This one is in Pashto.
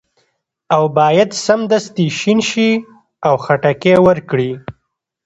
او باید سمدستي شین شي او خټکي ورکړي.